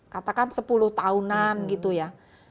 katakan sepuluh tahunan gitu ya